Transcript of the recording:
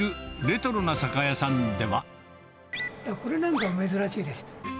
これなんかも珍しいです。